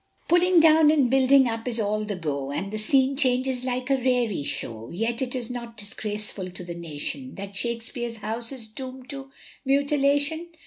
"Pulling down and building up is all the go, And the scene changes like a raree show," Yet is it not disgraceful to the nation, That Shakespeare's house is doomed to mutilation?